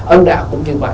âm đạo cũng như vậy